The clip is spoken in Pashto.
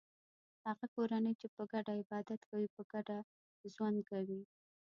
هغه کورنۍ چې په ګډه عبادت کوي په ګډه ژوند کوي.